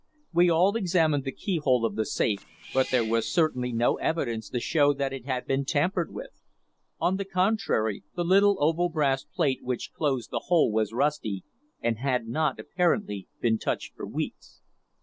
We all examined the keyhole of the safe, but there was certainly no evidence to show that it had been tampered with. On the contrary, the little oval brass plate which closed the hole was rusty, and had not apparently been touched for weeks.